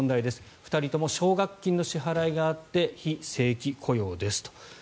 ２人とも奨学金の支払いがあって非正規雇用ですと。